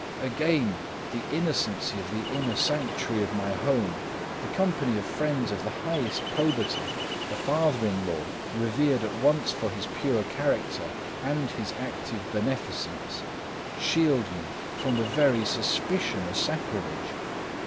Again, the innocency of the inner sanctuary of my home, the company of friends of the highest probity, a father in law revered at once for his pure character and his active beneficence, shield me from the very suspicion of sacrilege.